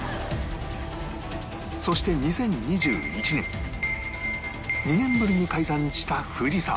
そして２０２１年２年ぶりに開山した富士山